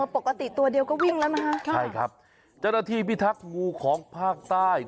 ปกติตัวเดียวก็วิ่งแล้วนะคะใช่ครับเจ้าหน้าที่พิทักษ์งูของภาคใต้